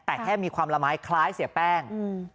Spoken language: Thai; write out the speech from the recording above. แต่แค่มีความละไม้คล้ายเสียแป้ง